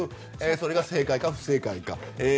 それが正解か不正解か。